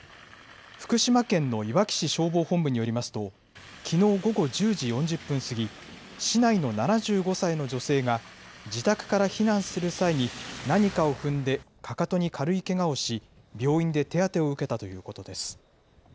福島県のいわき市消防本部によりますと、きのう午後１０時４０分過ぎ、市内の７５歳の女性が自宅から避難する際に、何かを踏んでかかとに軽いけがをし、病院で手当てを受けたということです。